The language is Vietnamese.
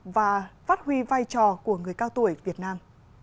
và phát huy vai trò của người cao tuổi việt nam